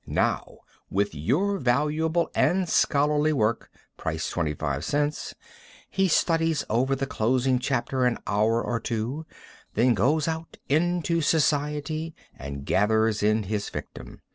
Now, with your valuable and scholarly work, price twenty five cents, he studies over the closing chapter an hour or two, then goes out into society and gathers in his victim.